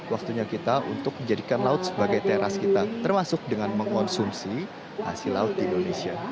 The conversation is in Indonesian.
waktunya kita untuk menjadikan laut sebagai teras kita termasuk dengan mengonsumsi hasil laut di indonesia